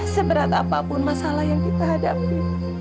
seberat apapun masalah yang kita hadapi